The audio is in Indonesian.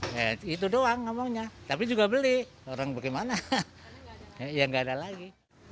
ya itu doang ngomongnya tapi juga beli orang bagaimana ya nggak ada lagi